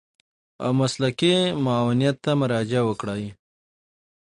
او مسلکي معاونيت ته مراجعه وکړي.